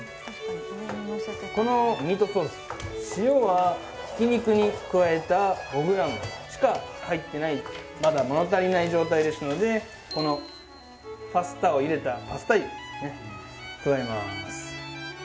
このミートソース塩はひき肉に加えた５ｇしか入っていないまだもの足りない状態ですのでこのパスタをゆでたパスタ湯を加えます。